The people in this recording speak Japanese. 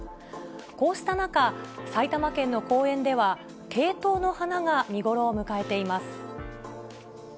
こうした中、埼玉県の公園では、ケイトウの花が見頃を迎えています。